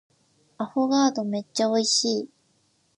アフォガードめっちゃ美味しい